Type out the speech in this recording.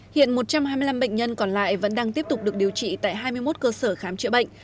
hiện một trăm hai mươi năm bệnh nhân còn lại vẫn đang tiếp tục được điều trị tại hai mươi một cơ sở khám chữa bệnh